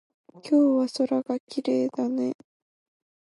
今日は空がきれいだね。